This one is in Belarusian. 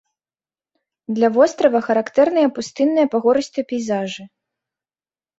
Для вострава характэрныя пустынныя пагорыстыя пейзажы.